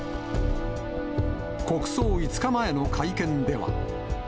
国葬５日前の会見では。